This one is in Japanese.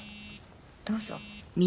どうぞ。